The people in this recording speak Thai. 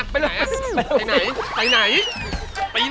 ไปไหนไปไหน